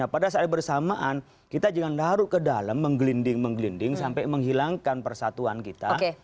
pada saat bersamaan kita jangan larut ke dalam menggelinding menggelinding sampai menghilangkan persatuan kita